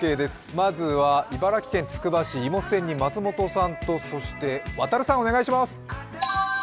まずは茨城県つくば市芋仙人、松本さんと亘さん、お願いします。